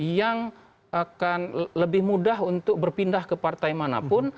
yang akan lebih mudah untuk berpindah ke partai manapun